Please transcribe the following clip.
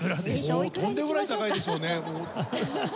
とんでもなく高いでしょうね。